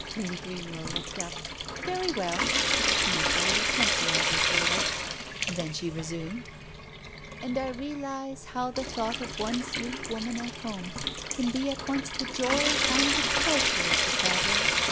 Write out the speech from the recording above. Lady Greenwell looked up. "Very well." She used a little pencil at her girdle. Then she resumed —"' And I realize how the thought of one sweet woman at home, can be at once the joy and the torture of the traveller.